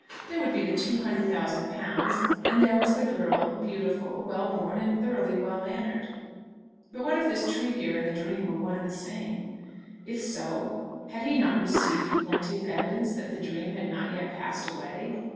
There would be the two hundred thousand pounds; and there was the girl, beautiful, well born, and thoroughly well mannered. But what if this Tregear and the dream were one and the same? If so, had he not received plenty of evidence that the dream had not yet passed away?